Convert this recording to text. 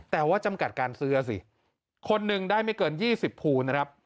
แต่ว่าจำกัดการซื้อสิคนหนึ่งได้ไม่เกิน๒๐ภูนะครับ